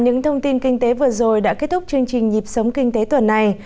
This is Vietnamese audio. những thông tin kinh tế vừa rồi đã kết thúc chương trình nhịp sống kinh tế tuần này